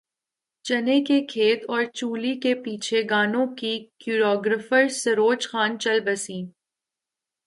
چنے کے کھیت اور چولی کے پیچھے گانوں کی کوریوگرافر سروج خان چل بسیں